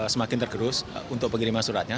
semakin tergerus untuk pengiriman suratnya